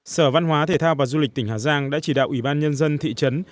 sở văn hóa thể thao và du lịch tỉnh hà giang đã chỉ đạo ủy ban nhân dân thị trấn